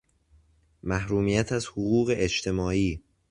محرومیت از حقوق اجتماعی